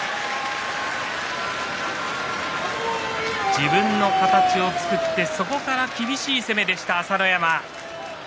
自分の形を作ってそこから厳しい攻めでした朝乃山。